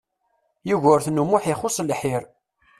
Yugurten U Muḥ ixuṣ lḥir.